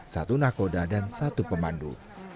satu nakoda dan satu pemandu